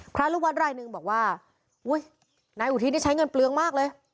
คราฤวรรษรายนึงบอกว่าอุ๊ยนายอุทิศเนี่ยใช้เงินเปลืองมากเลย